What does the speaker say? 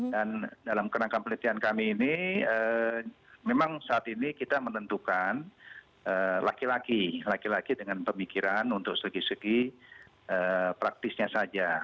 dan dalam kerangka penelitian kami ini memang saat ini kita menentukan laki laki dengan pemikiran untuk segi segi praktisnya saja